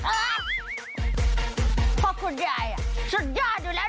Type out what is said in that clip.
เพราะคุณยายสุดยอดอยู่แล้ว